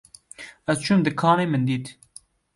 Ez çûm dikanê min dît